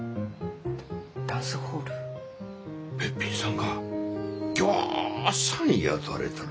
べっぴんさんがぎょうさん雇われとる。